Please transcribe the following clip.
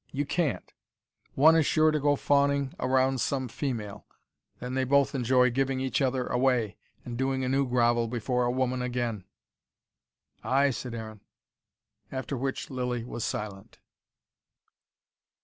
You can't. One is sure to go fawning round some female, then they both enjoy giving each other away, and doing a new grovel before a woman again." "Ay," said Aaron. After which Lilly was silent.